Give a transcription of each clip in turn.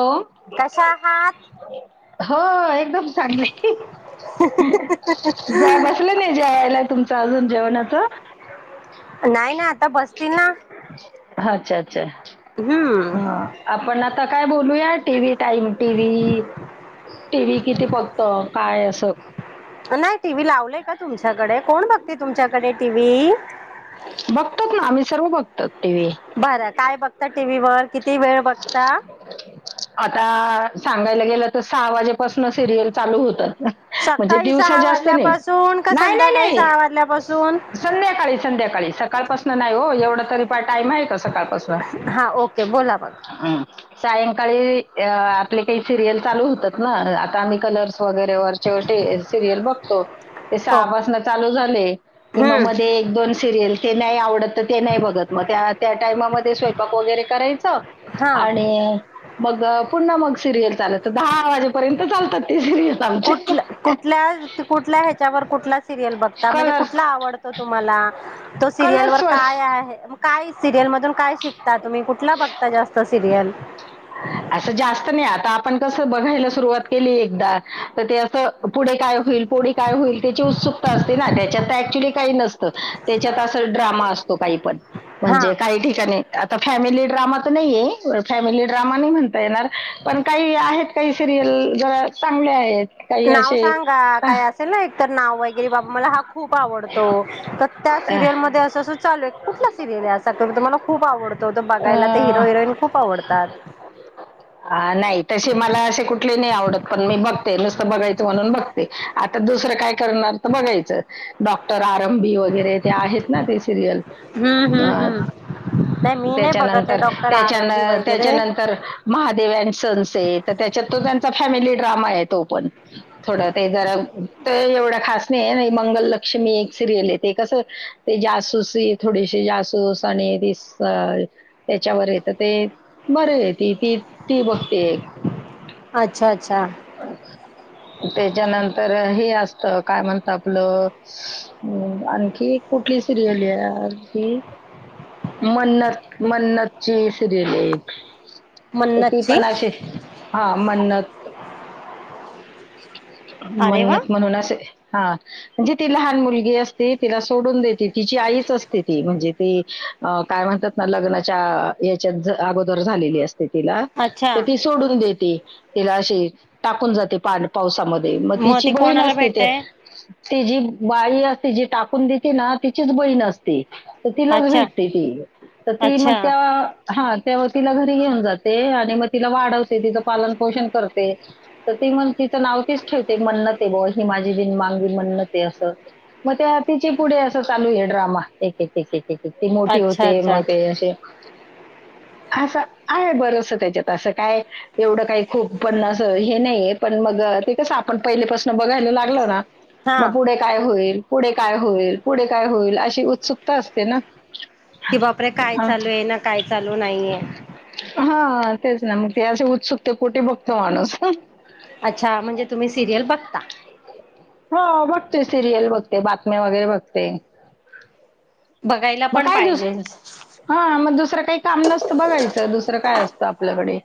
हो कशा आहात हो. दम चांग जा बसलं नाही जेवायला तुमच अजून. जेवणाचं नाही ना! आता बसतील ना! अच् ह हम्म आपण आता काय बोलूया TV time TV T V किती पत्त काय असं. नाही टीव्ही लावलंय का तुमच्याकडे कोण बघते तुमच्याकडे टीव्ही बघतोत ना आम्ही, सर्व बघतात, टीव्ही बरं काय बघता, टीव्ही वर किती वेळ बघता. आता सांगायला गेलं तर सहा वाजेपासून सिरियल चालू होतात म्हणजे सकाळी दिवसा सहा जास्त नाही. वाजल्यापासून का नाही नाही संध्याकाळी नाही सहा वाजल्यापासून संध्याकाळी संध्याकाळी सकाळपासून नाही हो एवढं. टाईम आहे का सकाळपासून. हा ओके बोला बघ. सायंकाळी आपले काही सिरियल चालू होतात ना आता आम्ही कलर्स वगैरे व छटे सिरयल बघतो. ते ओके सहापासन चालू झाले कि मग हम्म मध्ये एक दोन सिरियल ते नाही आवडत तर ते नाही बघत म त्या त्या टायमामध्ये स्वयपाक वगैरे करायच हा आणि मग पुन्हा मग, सिरियल चालयचं दहा वाजेपर्यंत चालतात ते सिरियल आमचे. कुठल्या सिरीयल बघता म्हणजे कलर्स कुठला आवडतो तुम्हाला, तो सिरीयल कलर्स काय वर आहे काय सिरीयल बघता. काय शिकता तुम्ही कुठला बघता जास्त सिरियल. असं जास्त नाही, आता आपण कसं बघायला सुरुवात केली एकदा तर ते असं पुढे काय होईल पोढ काय होईल त्याची उत्सुक असते ना त्याच्या तर ऍक्च्युली काही नसते. त्याच्यात अस ड्रामा असतो, काही पण हा म्हणजे काही ठिकाणी आता फॅमिली ड्रामा तर नाहीे फॅमिली ड्रामा नाही म्हणता येणार पण काही आहेत काही सि जरा चांगले आहेत. काही नाव असे सांगा अह, काय असेल ना एकतर नाव. बाबा मला हा खूप आवडतो, तर त्या अह, सिरियल मध्ये अस अस चालू आहे कुठला सिरियल आहे असा मला खूप आवडतो तो बघायला ते हिरो हिरोईन खूप आवडतात. हा नाही तशी मला असे कुठले नाही आवडत पण मी बघते नुसतं बघायचं म्हणून बघते आता दुसरं काय करणार तर बघायचं. डॉक्टर आरंभी वगैरे ते आहेत ना ते सिरियल हम्म अ हम्म हम्म नाही मी नाही बघत आहे त्याच्यानंतर डॉक्टर त्याच्या आरंबी वगैरे त्याच्यानंतर महादेव अ सनस त्या तो त्यांचा फॅमिली ड्रामा आहे तोपण थोड ते जरा ते एवढ खास नाही मंगलक्ष्मी एक सिरियल येते कसं ते जासूस थोडीशी जासूस आणि त्याच्यावर येत ते बर य त ती ती बघते अच्छा अच्छा त्याच्यानंतर हे असत काय म्हणत आपलं आणखी कुठली सिरियल आहे ती मन्नत मन्नतची सिरियल एक तर ती मन्नतची पण अशी हा म्हण्णत अरे वा मन्नत म्हणून असे हा म्ह जे ती लहान मुलगी असते तिला सोडून देत तिची आईच असते ती म्हणजे ती काय म्हणतात ना लग्नाच्या याच्यात अगोदर झालेली असते तिला अच्छा तर ती सोडून देते तिला अशी टाकून जाते पावसामध्ये मग तिची ते बहीण कोणाला असते ते भेटय ती जी बाई असते जी टाकून देते ना तिचीच बहीण असते तर तिलाच अच्छा भेटते ती तर ती मग अच्छा त्या हा तेव्हा तिला घरी घेऊन जाते आणि मग तिला वाढवते तिचं पालन पोषण करते तर ग तिचं नाव तिच ठेवते मन्नत आहे बुवा ही माझी बिनमा माझी मन्नत अस मग तिची पुढे अस चालू आहे ड्रामा एक एक किती मोठी अच्छा होते अच्छा मग ते असे असं आहे बरंस त्याच्यात असं काय एवढं काही खूप पण असं हे नाहीये पण मग ते कस आपण पहिलीपासून बघायला लागलो ना हा मग पुढे काय होईल पुढे काय होईल पुढे काय होईल अशी उत्सुकता असते ना कि बापरे काय हा. चालू आहे ना काय चालू नाहीये हा तेच ना मग ते असे उत्सुकते कुठे बघतो माणूस अच्छा म्हणजे तुम्ही सिरियल बघता ह बघते सिरियल बघते बातम्या वगैरे बघते बघायला मग पण काय दुस पाहिजे. नाही हा मग दुसरं काही काम नसतं बघायचं दुसरं काय असतं आपल्याकडे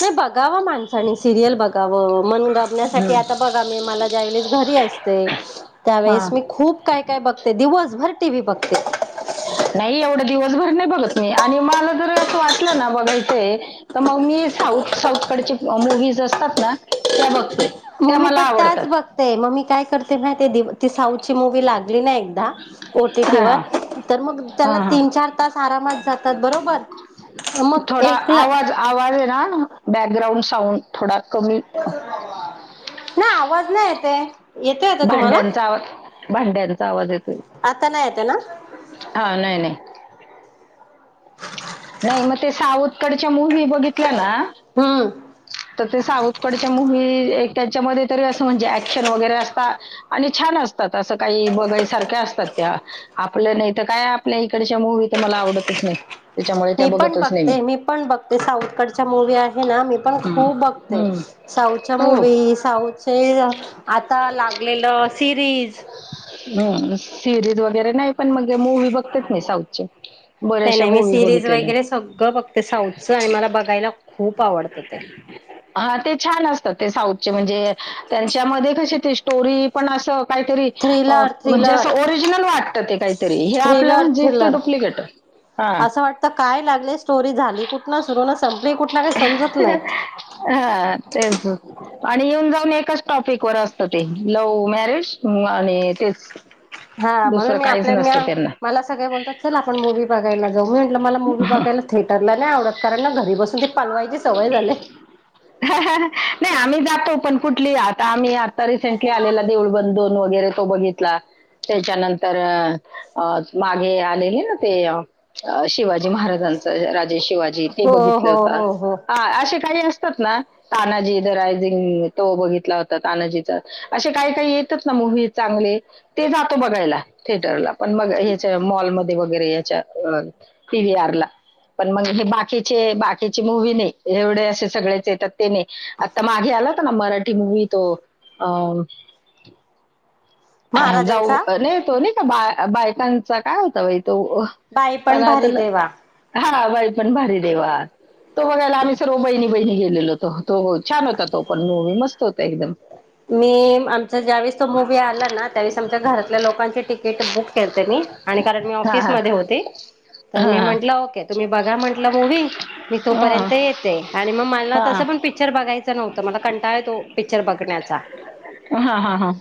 नाही बघाव माणसानी सिरियल बघावं मन रमण्यासाठी हम्म. बघावं म ज्या व घरी असते त्यावेळेस हा मी खूप काय काय बघते दिवसभर टीवही बघ ओके नाही एवढं दिवसभर नाही बघत मी आणि मला जर अस वाटलं ना बघायचं तर मग मी साऊथ साऊथकडच्या मुव्हीज असतात ना त्या बघते मग त्या मी मला पण आवडतात त्याच बघतेय मग मी काय करते म ते ती साऊथची मूवी लागली ना एकदा ओटीटी हा वर हा तर मग त्याला हा. तीन चार तास आरामात जातात बरोबर मग थोडा एकला आवाज आवाज आहे ना बॅकग्राउंड साऊंड थोडा कमी ना आवाज नाही येत य येतो येत तुम्हाला भांड्यांचा आवाज भांड्यांचा आवाज येतोय आता नाही येत ना? हा नाही नाही. नाही मग ते साऊथकडच्या मूवी बघितल्या ना? हम्म तर ते साऊथकडच्या मुवि, त्यांच्यामध्ये त अस म्हणजे ऍक्शन वगैरे असत आणि छान असतात असं काही बघ सारखे असतात. तात आपल्या नाही तर काय आपल्या इकडच्या मुूवी तर मला आवडतच नाही- त्याच्यामुळे त्या मी पण बघतच नाही बघते, मी पण बघते साऊथकडच्या मुूवी आहे ना मी पण हम्म. खूप बघते. हम्म. साऊच्या हो मूवी साउथचे आता लागलेलं सिरीज. हम सिरीज वगैरे नाही पण मग मूवी बघतात नाही साऊथचे, त्या बऱ्याचशा नाही मी मूव्ही सिरीज बघितलेल्या वगैरे सगळ बघते साऊथच आणि मला बघायला खूप आवडत ते. हा ते छान असतात ते साऊथचे म्हणजे त्यांच्यामध्ये कशी ते स्टोरी पण असं. काहीतरी थ्रिलर म्हणजे थ्रिलर असं ओरिजिनल वाटतं ते काहीतरी हे आपलं थ्रिलर म्हणजे इतक डुप्लिकेट आहे- हा तर काय लागले स्टोरी झाली कुठन ना सुरू ना संपली कुठन ना काही समजत नाही अ तेच! आणि येऊन जाऊन एकाच टॉपिक वर असतं, ते लव्ह मॅरेज आणि तेच हा म्हणून दुसरं मी काहीच आपल्या नसतं म त्यांना मला सगळे बोलतात चल आपण मूवी् बघायला जाऊ म्ह. मला मूवी बघयला थिएटरला नाही आवडत कारण ना घरी बसून ते पालवायची सवय झाले, ह ह नाही आम्ही जातो पण कुठली आता आम्ही आता रिसेंटली आलेला देळबंधन वगैरे दोन तो बघितला त्याच्यानंतर अ मागे आलेले ना ते, शिवाजी महाराजांच राजे शिवाजी ते हो बघितलं हो होता हो हो हा असे काही अस, तानाजी रायिंग तो बघितला होता तानाजीच असे काही काही येतच ना- मवी चांगले ते जातो बघायला थिएटरला पण म याच्या मॉलमध्ये वगैरे याच्या. पिवीर ला पण मग हे बाकीचे बाकीचे मूवी् नाही एवढे असे सगळ्याचे तर ते नाही आता मागे! ला ना मराठी मूवी त अ, ह जाऊ महाराजांचा नाही तो नाही का बा बायकांचा काय होता. त बाई पण भारी देवा आता बाई पण, पण भारी देवा तो बघायला आम्ही सर्व बहिणी बहिणी गेलेलोतो. तो छान होता तो पण मूवी मस्त होता एकदम. त्यावे आच्या घरातल्या लोकांची तिकीट बुक करते मी आणि कारण मी हा ऑफिस हा म होते. तर मी हा म्हटलं ओके तुम्ही बघा म्हटलं मूवी् मी हा तोपर्यंत येते आणि मग मला हा ना तस बघ, पिक्चर बघाचं नव्हत मला कंटाळा आहे तो पिक्चर बघण्यात. हा हा हा.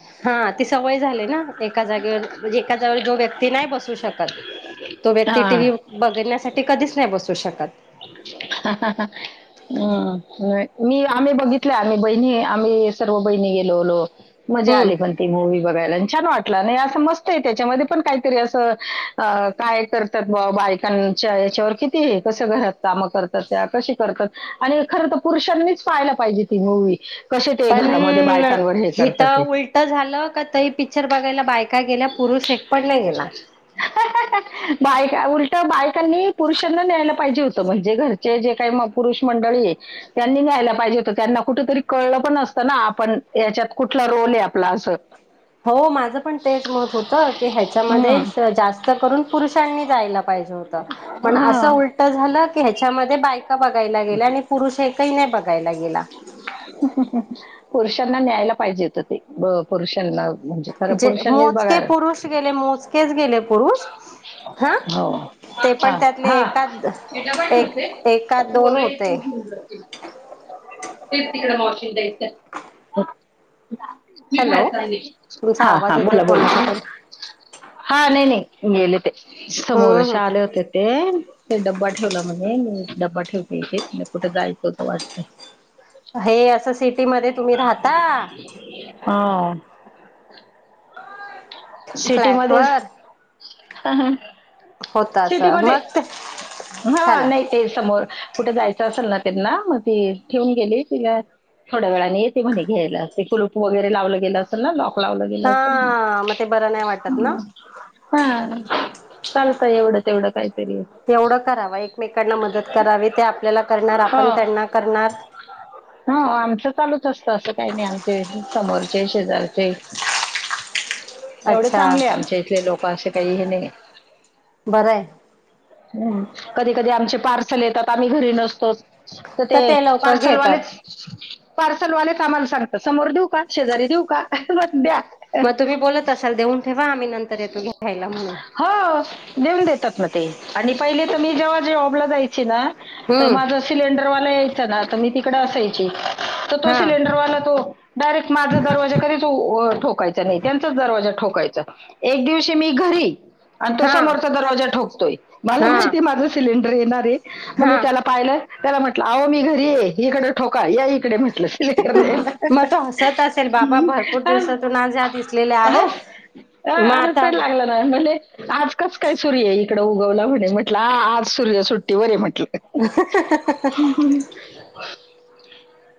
ति सवय झालेय ना? एका जागेवर म्हणजे एका जागेवर जो व्यक्ती नाही बसू शकत तो व्यक्ती टी हा व्ही बघण्यासाठी. ते कधीच नाही बसू शकत हम्, मी आम्ही बघितलं आम्ही बहिणी आम्ही सर्व बहिणी गेलो होलो, - हम्म मजाली पण ती मुव्वी बघायला आणि छान वाटत, नाही अस मस्त आहे त्याच्यामध्ये पण काहीतरी अस काय करतात बा बायकांच्या, त्याच्यावर किती कस घरात काम करतात त्या कशी करतात आणि खर तर पुरुषांनीच पाहायला पाहिजे. ह पण हेथ ते उलट झालं का त पिकच्चर, बघायला बायका गेल्या पुरुष एक पट नाही गेला, बाय उलट बायकांनी पुरुषांना न्यायला पाहिजे हो? म्हणजे घरचे जे काही पुरुष मंडळी त्यांनी न्यायला पाहिजे होत त्यांना कुठेतरी कळलं पण असत. तर ना आपण याच्यात कुठला रोल आहे आपला असं हो माझं पण तेच मत होत की हम्म. ह्याच्यामध्येच जास्त करून पुरुषांनी जायला पाहिजे पण अस हा. उल झालं की ह्याच्यामध्ये बायका बघायला गेल्या आणि पुरुष एकही नाही बघ करायला गेला पुरुषांना न्यायला पाहिजे होेत ते पुरुषांना म्हणजे खरं जे पुरुषांनीच मोजके बघायला पुरुष गेले मोजकेच गेले पुरुष हा हो ते हा पण त्यातले हा एकाद मी डबा ठेवते एक एकाद दोन पोरं होते [inaudible] तेच तिकड मॉशि [unintelligible] न द मी हॅलो बाहेर सां तुमचा हा हा आवाज येतोय बोला बोला कोणाचा तरी हा नाही नाही गेले ते हम्म समोर चे हम्म आले होते ते ते ड्बा ठेवला म्हणजे मी ड्बा ठेवते इथे कुठं जायचं तर वाटतं हे असं सिटीमध्येध्ये तुम्ही राहता हा... सिटी मध्येच फ्लॅटवर होत असं सिटीमध्ये मग ते हा चला नाही ते समोर... कुठे जायचं असेल ना त्यांना मग ती ठेवून गेली तिला... थोड्या वेळाने येते म्हणे घ्यायला ते कुलूप वगर लावलं गेलं असेल ना लॉ... लावला गेला असेल मग... हा ते बरं नाही वाटत ना का एवढं तेवंड काय... तेवढं कराव एकमेकांना मदत करावी ते आपल्याला करणार आपण त्यांना करणार... हा.. चालूच असत असं काही नाही आमचे समोरचे शेजारचे... एवढं अच्छा चांगले आमच्या इथले लोक असे काही हे नाही... बरं आहे... हम्म कधी कधी आमचे पार्सल येतात आम्ही घरी नसतोच. तर ते पार्सल वालेच... पार्सलवाले का आम्हाला सांगत समोर देऊ का शेजारी देऊ का बर द्या... मग तुम्ही बोलत असाल देऊन ठेवा आम्ही.. नंतर येतो घ्यायला म्हणून हो देेऊन देतात म ते.... आणि पहिली तर मी जेव्हा जाबला जायची ना तर माझ हम्म सिलेंडरवाला यायच ना कड असायची तो हा सिलेंडरवा तो डायरेक् माझ दरवाजा कधीच ठो... ठोकायच नाही त्यांचाच दरवाजा ठोकायचा एक दिवशी मी घरी... आणि तो हा समोरचा दरवाजा ठोकतोय मला हा माहितीय माझं सिलेंडर येणार आहे मग मी हा त्याला पाहिलंय... त्याला म्हटलं आहो मी घरी ये इकडें ठोकाय.. मग तो हासत असेल बाबा भरपूर द्यायला. दिवसातून आज ह दिसलेल्या... ह.. हां, हसायला लागलं ना... म्हने आज कस काय सूर्य इकडं उगवला म्हणे म्हटलं आज सूर्य सुट्टी बरे म्हट... [inaudible]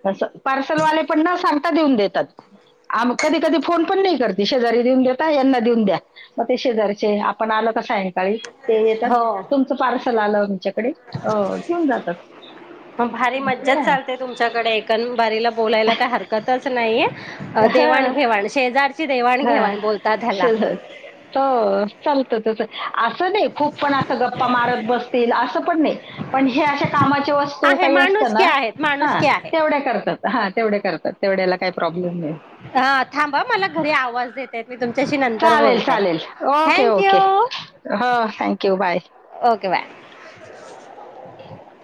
तं पार्सलवाले पण ना सांगता देऊन देतात... म कधी कधी फोन पण नाही करते शेजारी देऊन दता यांना देऊन द्या मग ते शेजारीचे आपण आला... सायंकाळी ते येतात तुमचं पार्सल आलं आमच्या... म भारी असं मज्जाच काय चालते तुमच्याकडे एक.. शेजारन बाई बोलायला का हरकतच नाहीये देवाण हं घेवाण शेजारची देवाण घेवाण बोलता झाला. त.. चालत तस असं नाही खूप पण असं गप्पा मारत बसतील असं पण नाही पण हे अशा... कामाची वस्तू आहे काही असत माणुसकी ना आहेत हा... माणुसकी आहे. हा तेवढे करतात तेवढ्या याला काही प्रॉब्लेम नाही... हा थांब मला घरी आवाज देतय मी तुमच्याशी नंतर चालेल, बोलते चालेल. Okay, thank you.... okay. हो थँक्यू बाय.. ओके बाय... [unintelligible]